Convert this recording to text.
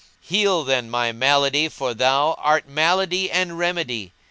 Heal then my malady, for thou * Art malady and remedy!